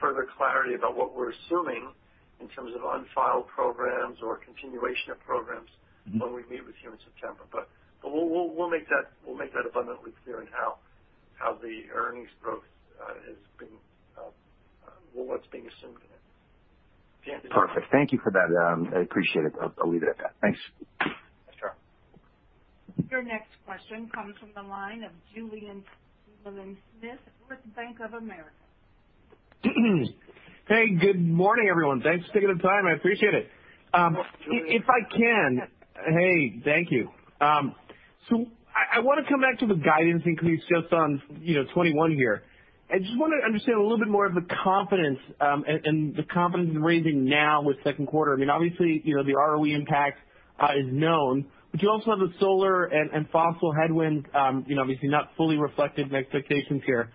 further clarity about what we're assuming in terms of unfiled programs or continuation of programs when we meet with you in September. We'll make that abundantly clear in how the earnings growth, what's being assumed in it. Perfect. Thank you for that. I appreciate it. I'll leave it at that. Thanks. Sure. Your next question comes from the line of Julien Dumoulin-Smith with Bank of America. Hey, good morning, everyone. Thanks for taking the time. I appreciate it. If I can. Hey, thank you. I want to come back to the guidance increase just on 2021 here. I just want to understand a little bit more of the confidence, and the confidence in raising now with second quarter. Obviously, the ROE impact is known, but you also have the solar and fossil headwinds obviously not fully reflected in expectations here.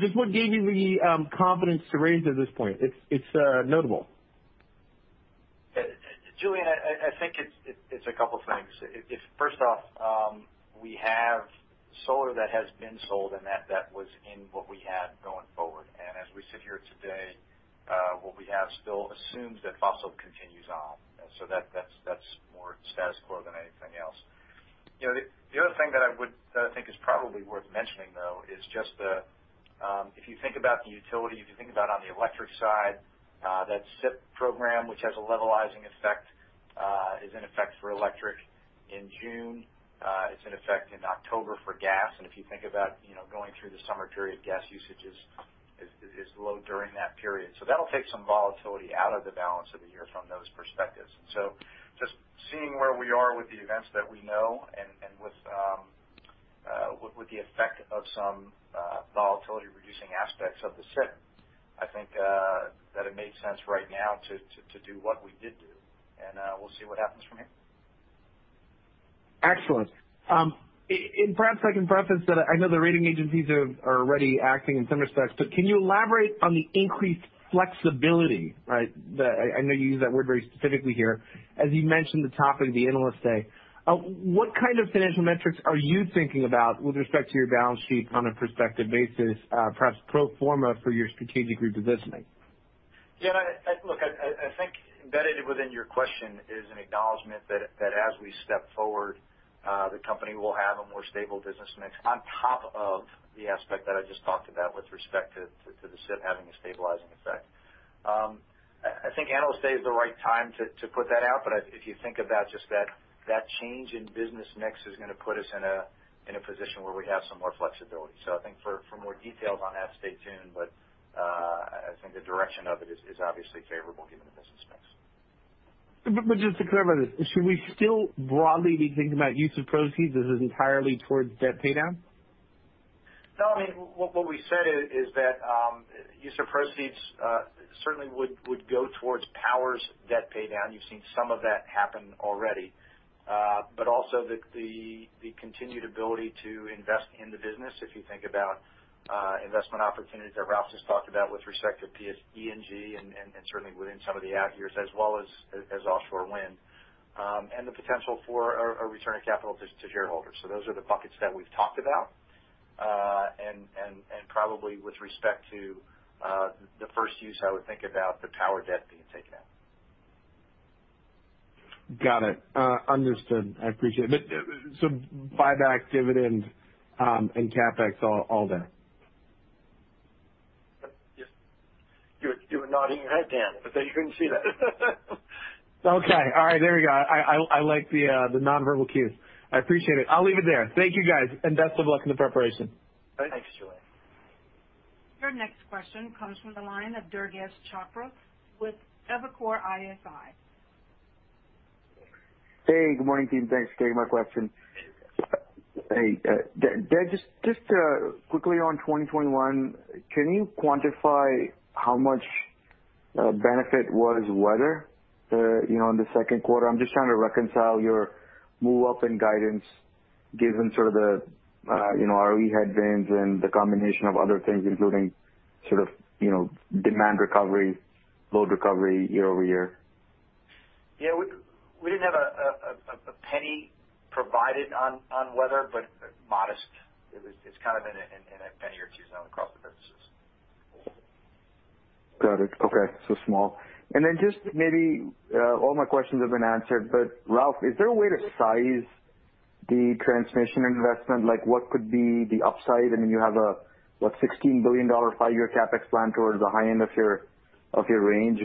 Just what gave you the confidence to raise at this point? It's notable. Julien, I think it's a couple things. First off, we have solar that has been sold and that was in what we had going forward. As we sit here today, what we have still assumes that fossil continues on. That's more status quo than anything else. The other thing that I think is probably worth mentioning, though, is just if you think about the utility, if you think about on the electric side, that CIP program, which has a levelizing effect, is in effect for electric in June. It's in effect in October for gas. If you think about going through the summer period, gas usage is low during that period. That'll take some volatility out of the balance of the year from those perspectives. Just seeing where we are with the events that we know and with the effect of some volatility-reducing aspects of the CIP, I think that it made sense right now to do what we did do. We'll see what happens from here. Excellent. Perhaps I can preface that I know the rating agencies are already acting in some respects, but can you elaborate on the increased flexibility, right? I know you use that word very specifically here. As you mentioned the topic of the Analyst Day, what kind of financial metrics are you thinking about with respect to your balance sheet on a prospective basis, perhaps pro forma for your strategic repositioning? Yeah, look, I think embedded within your question is an acknowledgment that as we step forward, the company will have a more stable business mix on top of the aspect that I just talked about with respect to the CIP having a stabilizing effect. I think Analyst Day is the right time to put that out, if you think about just that change in business mix is going to put us in a position where we have some more flexibility. I think for more details on that, stay tuned. I think the direction of it is obviously favorable given the business mix. Just to clarify this, should we still broadly be thinking about use of proceeds as entirely towards debt paydown? What we said is that use of proceeds certainly would go towards Power's debt paydown. You've seen some of that happen already. Also the continued ability to invest in the business, if you think about investment opportunities that Ralph just talked about with respect to PSE&G and certainly within some of the out years as well as offshore wind, and the potential for a return of capital to shareholders. Those are the buckets that we've talked about. Probably with respect to the first use, I would think about the Power debt being taken out. Got it. Understood. I appreciate it. Buyback, dividend, and CapEx, all there. You were nodding your head, Dan, but they couldn't see that. Okay. All right. There we go. I like the non-verbal cues. I appreciate it. I'll leave it there. Thank you, guys, and best of luck in the preparation. Thanks, Julien. Your next question comes from the line of Durgesh Chopra with Evercore ISI. Hey, good morning, team. Thanks for taking my question. Hey, Dan, just quickly on 2021, can you quantify how much benefit was weather in the second quarter? I'm just trying to reconcile your move-up in guidance given sort of the ROE headwinds and the combination of other things, including sort of demand recovery, load recovery year-over-year. Yeah. We didn't have a penny provided on weather, but modest. It's kind of in a $0.01 or $0.02 zone across the businesses. Got it. Okay. Small. Just maybe, all my questions have been answered, but Ralph, is there a way to size the transmission investment? What could be the upside? You have a, what, $16 billion five-year CapEx plan towards the high end of your range.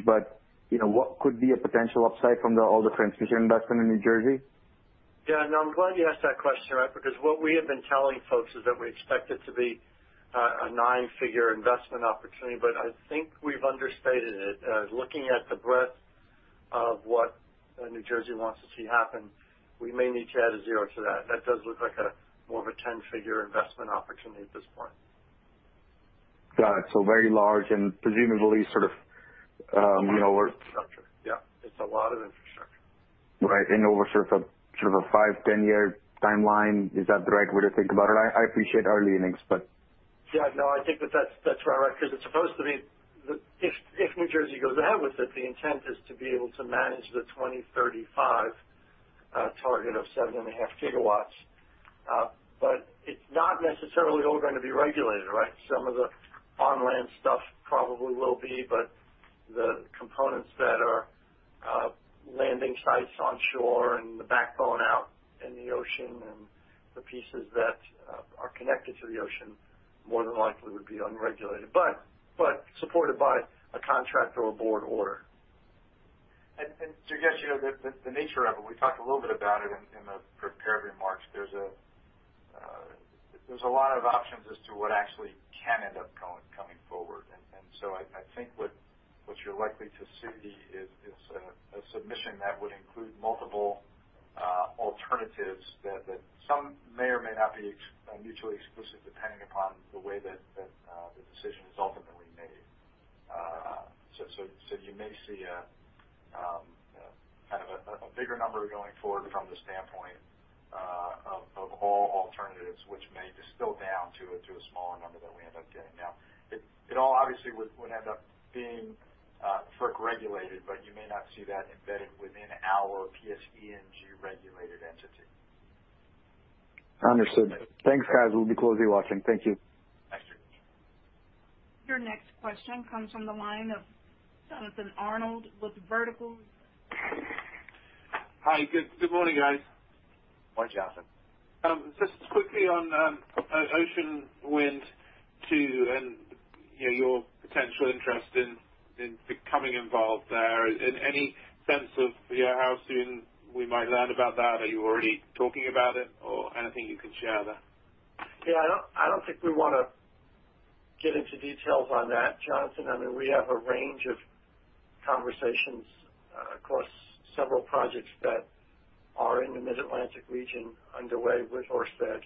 What could be a potential upside from all the transmission investment in New Jersey? Yeah, no, I'm glad you asked that question, right. What we have been telling folks is that we expect it to be a nine-figure investment opportunity, but I think we've understated it. Looking at the breadth of what New Jersey wants to see happen, we may need to add a zero to that. That does look like more of a 10-figure investment opportunity at this point. Got it. very large and presumably sort of. Yeah. It's a lot of infrastructure. Right. Over sort of a five, 10-year timeline. Is that the right way to think about it? Yeah. No, I think that's right, because if New Jersey goes ahead with it, the intent is to be able to manage the 2035 target of 7.5 GW. It's not necessarily all going to be regulated, right? Some of the on-land stuff probably will be, but the components that are landing sites on shore and the backbone out in the ocean, and the pieces that are connected to the ocean more than likely would be unregulated, but supported by a contract or a board order. To guess the nature of it, we talked a little bit about it in the prepared remarks. There's a lot of options as to what actually can end up coming forward. I think what you're likely to see is a submission that would include multiple alternatives that some may or may not be mutually exclusive, depending upon the way that the decision is ultimately made. You may see a bigger number going forward from the standpoint of all alternatives, which may distill down to a smaller number that we end up getting. It all obviously would end up being FERC-regulated, but you may not see that embedded within our PSE&G-regulated entity. Understood. Thanks, guys. We'll be closely watching. Thank you. Thanks. Your next question comes from the line of Jonathan Arnold with Vertical. Hi. Good morning, guys. Morning, Jonathan. Just quickly on Ocean Wind 2 and your potential interest in becoming involved there. Any sense of how soon we might learn about that? Are you already talking about it or anything you can share there? Yeah, I don't think we want to get into details on that, Jonathan. I mean, we have a range of conversations across several projects that are in the Mid-Atlantic region underway with Ørsted.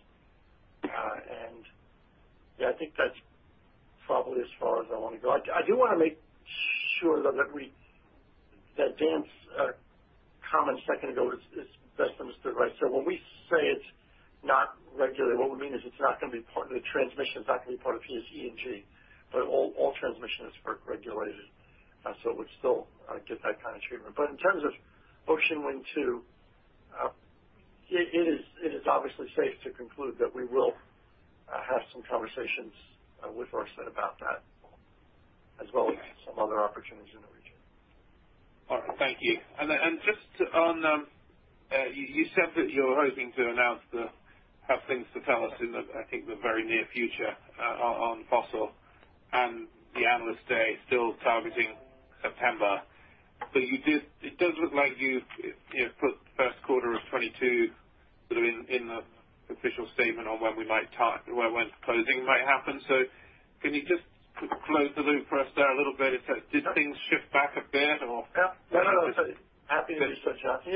Yeah, I think that's probably as far as I want to go. I do want to make sure, though, that Dan's comment a second ago is best understood right. When we say it's not regulated, what we mean is the transmission's not going to be part of PSE&G, but all transmission is FERC-regulated. It would still get that kind of treatment. In terms of Ocean Wind 2, it is obviously safe to conclude that we will have some conversations with Ørsted about that, as well as some other opportunities in the region. All right, thank you. You said that you're hoping to have things to tell us in, I think, the very near future on fossil and the Analyst Day still targeting September. It does look like you've put the first quarter of 2022 sort of in the official statement on when closing might happen. Can you just close the loop for us there a little bit? Did things shift back a bit? Yeah. No, happy to do so, Jonathan.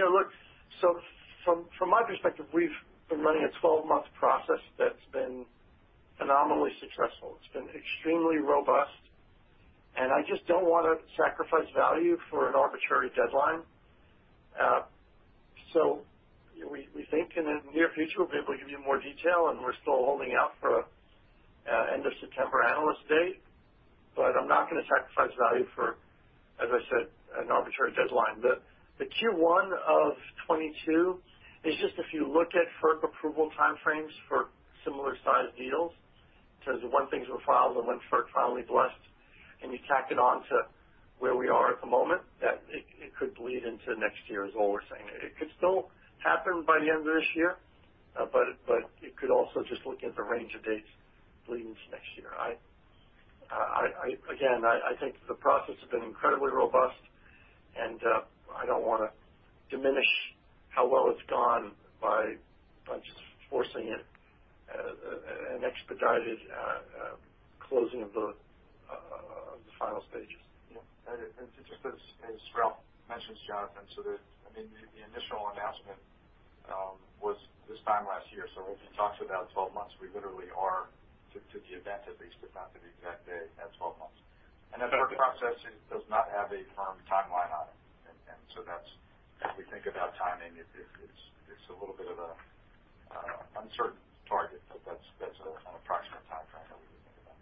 From my perspective, we've been running a 12-month process that's been phenomenally successful. It's been extremely robust. I just don't want to sacrifice value for an arbitrary deadline. We think in the near future, we'll be able to give you more detail. We're still holding out for end of September Analyst Day. I'm not going to sacrifice value for, as I said, an arbitrary deadline. Q1 of 2022 is just if you look at FERC approval timeframes for similar-sized deals, in terms of when things were filed and when FERC finally blessed, you tack it on to where we are at the moment, that it could bleed into next year is all we're saying. It could still happen by the end of this year. It could also just look at the range of dates bleed into next year. Again, I think the process has been incredibly robust, and I don't want to diminish how well it's gone by just forcing an expedited closing of the final stages. Yeah. Just as Ralph mentions, Jonathan, the initial announcement was this time last year. If you talk to about 12 months, we literally are, to the event at least, if not to the exact day, at 12 months. That FERC process does not have a firm timeline on it. As we think about timing, it's a little bit of an uncertain target. That's an approximate timeframe that we would think about.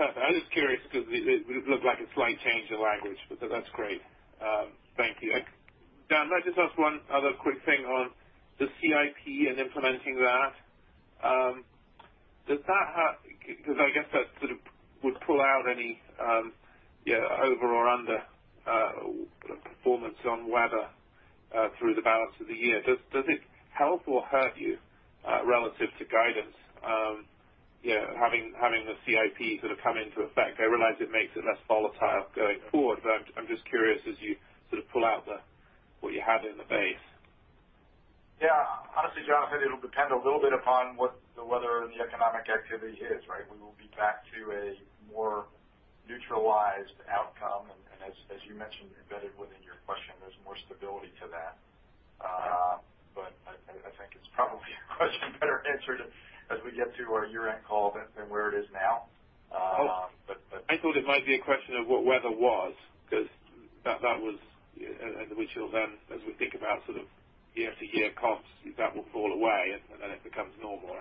Perfect. I was just curious because it looked like a slight change in language. That's great. Thank you. Dan, can I just ask one other quick thing on the CIP and implementing that? I guess that sort of would pull out any over or under performance on weather through the balance of the year. Does it help or hurt you relative to guidance having the CIP sort of come into effect? I realize it makes it less volatile going forward, but I'm just curious as you sort of pull out what you had in the base. Yeah. Honestly, Jonathan, it'll depend a little bit upon what the weather and the economic activity is, right? We will be back to a more neutralized outcome. As you mentioned, embedded within your question, there's more stability to that. I think it's probably a question better answered as we get to our year-end call than where it is now. I thought it might be a question of what weather was, and which you'll then, as we think about sort of year to year costs, that will fall away and then it becomes normal.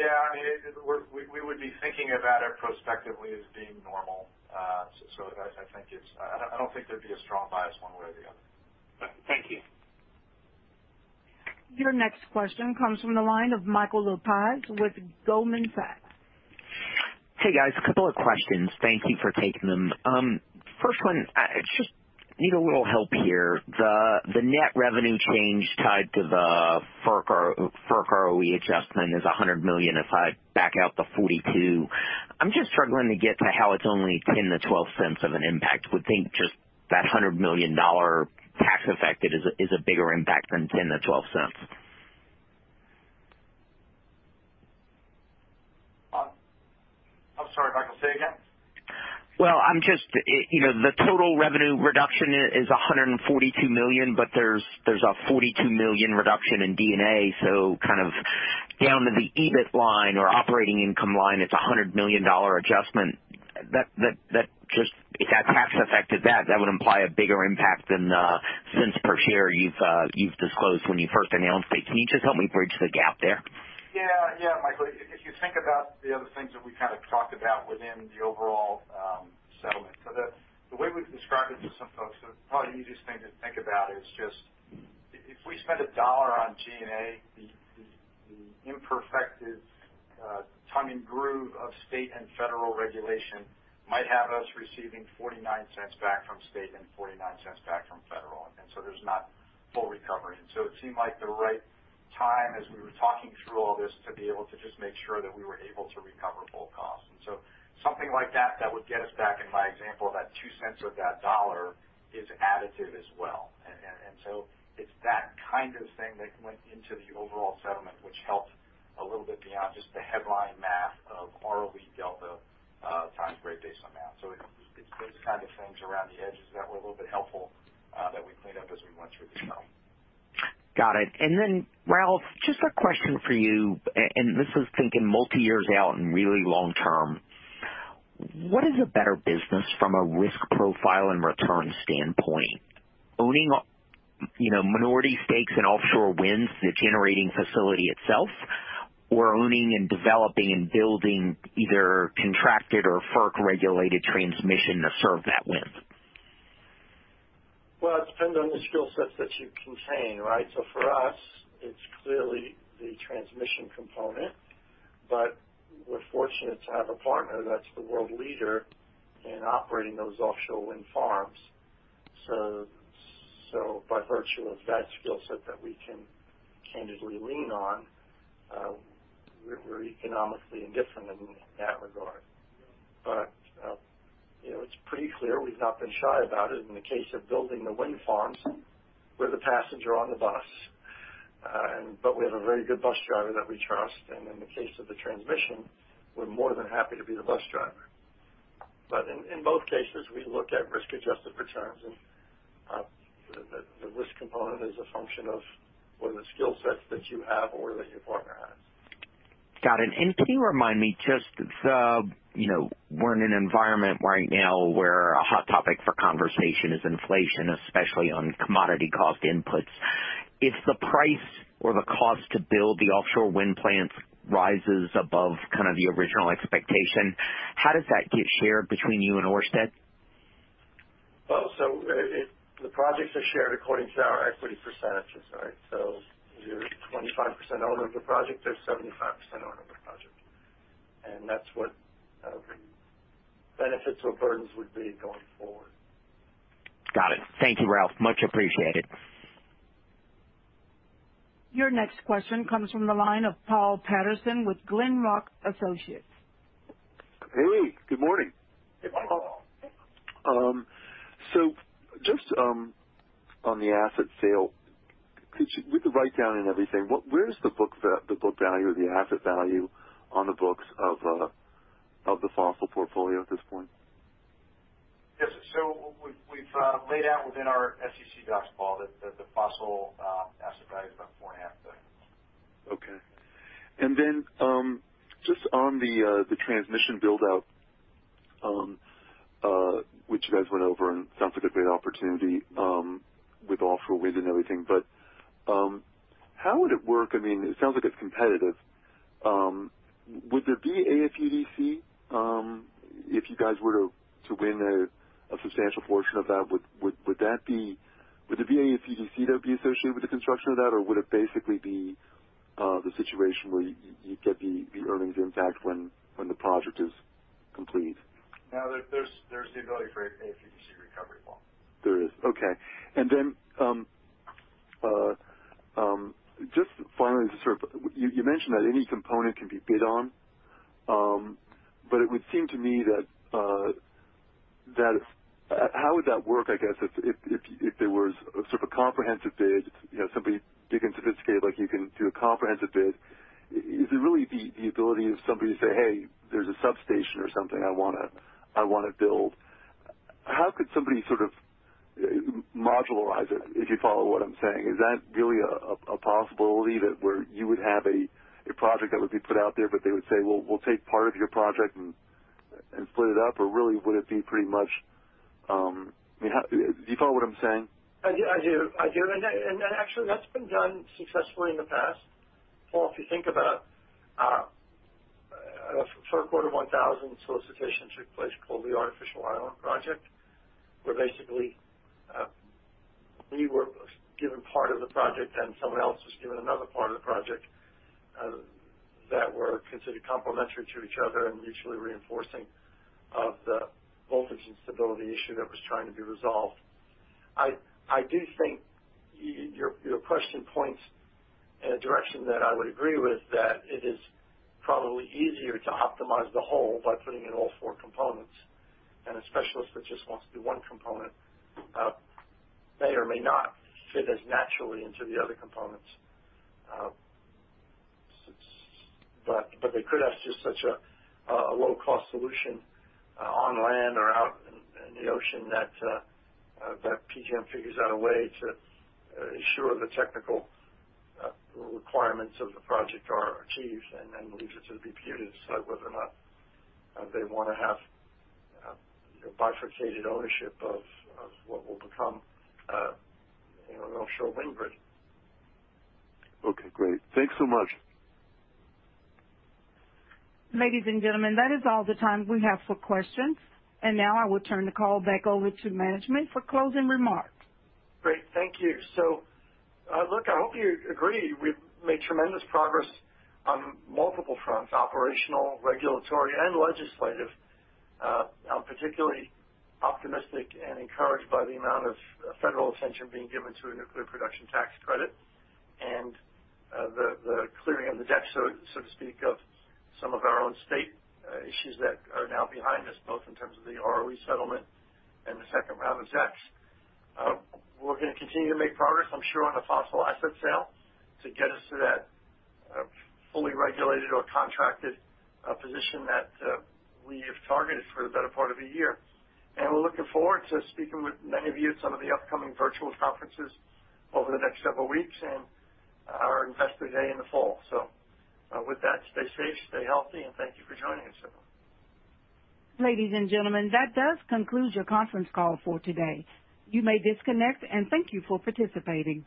Yeah. We would be thinking about it prospectively as being normal. I don't think there'd be a strong bias one way or the other. Thank you. Your next question comes from the line of Michael Lapides with Goldman Sachs. Hey, guys. A couple of questions. Thank you for taking them. First one, I just need a little help here. The net revenue change tied to the FERC ROE adjustment is $100 million if I back out the $42. I'm just struggling to get to how it's only $0.10-$0.12 of an impact. Would think just that $100 million tax effect is a bigger impact than $0.10-$0.12. I'm sorry, Michael, say again? Well, the total revenue reduction is $142 million, but there's a $42 million reduction in D&A, so kind of down to the EBIT line or operating income line, it's a $100 million adjustment. If that tax affected that would imply a bigger impact than the cents per share you've disclosed when you first announced it. Can you just help me bridge the gap there? Michael. If you think about the other things that we kind of talked about within the overall settlement. The way we've described it to some folks, the probably easiest thing to think about is just if we spend a dollar on G&A, the imperfected tongue and groove of state and federal regulation might have us receiving $0.49 back from state and $0.49 back from federal. There's not full recovery. It seemed like the right time as we were talking through all this to be able to just make sure that we were able to recover full cost. Something like that would get us back, in my example, that $0.02 of that dollar is additive as well. It's that kind of thing that went into the overall settlement, which helped a little bit beyond just the headline math of ROE delta times rate base on that. It's those kind of things around the edges that were a little bit helpful that we cleaned up as we went through this settlement. Got it. Then, Ralph, just a question for you. This is thinking multi-years out and really long term. What is a better business from a risk profile and return standpoint? Owning minority stakes in offshore winds, the generating facility itself, or owning and developing and building either contracted or FERC-regulated transmission to serve that wind? Well, it depends on the skill sets that you contain, right? For us, it's clearly the transmission component, but we're fortunate to have a partner that's the world leader in operating those offshore wind farms. By virtue of that skill set that we can candidly lean on, we're economically indifferent in that regard. It's pretty clear we've not been shy about it. In the case of building the wind farms, we're the passenger on the bus, but we have a very good bus driver that we trust. In the case of the transmission, we're more than happy to be the bus driver. In both cases, we look at risk-adjusted returns, and the risk component is a function of what are the skill sets that you have or that your partner has. Got it. Can you remind me, we're in an environment right now where a hot topic for conversation is inflation, especially on commodity cost inputs. If the price or the cost to build the offshore wind plants rises above kind of the original expectation, how does that get shared between you and Ørsted? Well, the projects are shared according to our equity percentages, right? We're 25% owner of the project, they're 75% owner of the project. That's what the benefits or burdens would be going forward. Got it. Thank you, Ralph. Much appreciated. Your next question comes from the line of Paul Patterson with Glenrock Associates. Hey, good morning. Hey, Paul. Just on the asset sale, with the write-down and everything, where's the book value or the asset value on the books of the fossil portfolio at this point? Yes. We've laid out within our SEC docs, Paul, that the fossil asset value is about $4.5 billion. Okay. Just on the transmission build-out, which you guys went over and sounds like a great opportunity with offshore wind and everything, how would it work? It sounds like it's competitive. Would there be AFUDC if you guys were to win a substantial portion of that? Would there be AFUDC that would be associated with the construction of that, or would it basically be the situation where you'd get the earnings impact when the project is complete? No, there's the ability for AFUDC recovery, Paul. There is. Okay. Just finally, you mentioned that any component can be bid on. It would seem to me that how would that work, I guess, if there was a sort of a comprehensive bid, somebody big and sophisticated like you can do a comprehensive bid. Is it really the ability of somebody to say, "Hey, there's a substation or something I want to build." How could somebody sort of modularize it, if you follow what I'm saying? Is that really a possibility that where you would have a project that would be put out there, but they would say, "Well, we'll take part of your project and split it up," or really would it be pretty much? Do you follow what I'm saying? I do. Actually, that's been done successfully in the past. Paul Patterson, if you think about it, a FERC Order 1000 solicitation took place called the Artificial Island Project, where basically we were given part of the project, and someone else was given another part of the project that were considered complementary to each other and mutually reinforcing of the voltage and stability issue that was trying to be resolved. I do think your question points in a direction that I would agree with, that it is probably easier to optimize the whole by putting in all four components. A specialist that just wants to do one component may or may not fit as naturally into the other components. They could ask just such a low-cost solution on land or out in the ocean that PJM figures out a way to ensure the technical requirements of the project are achieved and then leaves it to the BPU to decide whether or not they want to have bifurcated ownership of what will become an offshore wind grid. Okay, great. Thanks so much. Ladies and gentlemen, that is all the time we have for questions. Now I will turn the call back over to management for closing remarks. Great. Thank you. Look, I hope you agree we've made tremendous progress on multiple fronts, operational, regulatory, and legislative. I'm particularly optimistic and encouraged by the amount of federal attention being given to a nuclear production tax credit and the clearing of the deck, so to speak, of some of our own state issues that are now behind us, both in terms of the ROE settlement and the second round of ZECs. We're going to continue to make progress, I'm sure, on the fossil asset sale to get us to that fully regulated or contracted position that we have targeted for the better part of a year. We're looking forward to speaking with many of you at some of the upcoming virtual conferences over the next several weeks and our Investor Day in the fall. With that, stay safe, stay healthy, and thank you for joining us everyone. Ladies and gentlemen, that does conclude your conference call for today. You may disconnect, and thank you for participating.